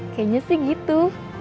kayaknya sih gitu